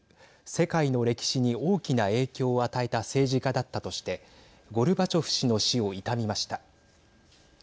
世界の歴史に大きな影響を与えた政治家だったとしてゴルバチョフ氏の死を悼みました。